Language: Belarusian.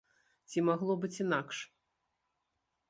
Ці магло быць інакш?